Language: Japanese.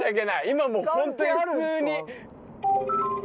今もうホントに普通に。